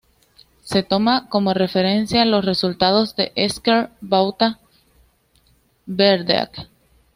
Se toman como referencia los resultados de Ezker Batua-Berdeak.